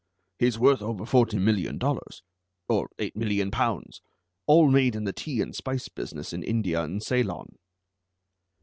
He's worth over forty million dollars, or eight million pounds, all made in the tea and spice business in India and Ceylon."